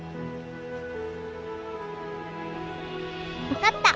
分かった！